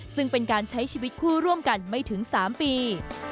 ซึ่งเป็นการใช้ชีวิตคู่ร่วมกันไม่ถึง๓ปี